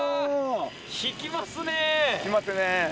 引きますね。